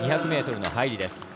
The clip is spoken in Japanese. ２００ｍの入りです。